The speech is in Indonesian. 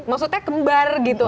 maksudnya kembar gitu